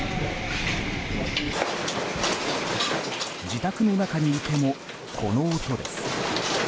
自宅の中にいてもこの音です。